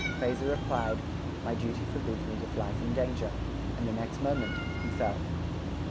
Fraser replied: "My duty forbids me to fly from danger;" and the next moment he fell.